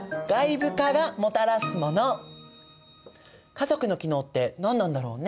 家族の機能って何なんだろうね？